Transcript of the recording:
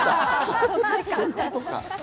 そういうことか。